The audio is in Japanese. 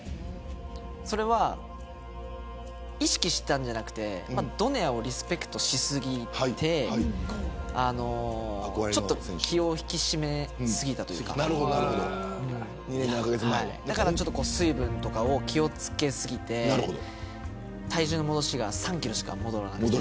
それは意識していたんじゃなくてドネアをリスペクトし過ぎてちょっと気を引き締め過ぎたというか水分とか気を付け過ぎて体重の戻しが３キロしか戻らなかった。